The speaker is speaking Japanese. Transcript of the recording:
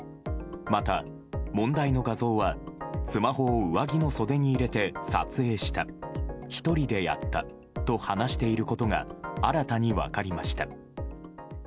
また、問題の画像はスマホを上着の袖に入れて撮影した１人でやったと話していることが新たに分かりました。